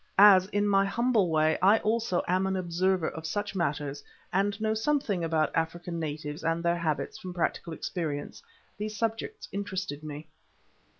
As, in my humble way, I also am an observer of such matters and know something about African natives and their habits from practical experience, these subjects interested me.